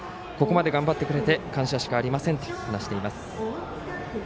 ここまでつきあってくれて感謝しかありませんと話しています。